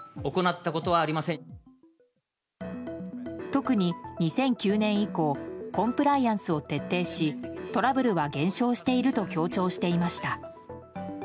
特に、２００９年以降コンプライアンスを徹底しトラブルは減少していると強調していました。